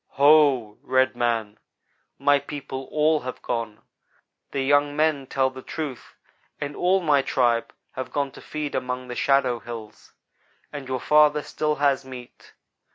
"Ho! red man my people all have gone. The young men tell the truth and all my tribe have gone to feed among the shadow hills, and your father still has meat.